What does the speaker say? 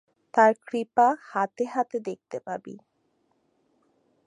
তাঁর কৃপা হাতে হাতে দেখতে পাবি।